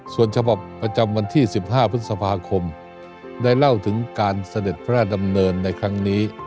ส่วนฉบับประจำวันที่๑๕พฤษภาคมได้เล่าถึงการเสด็จพระราชดำเนินในครั้งนี้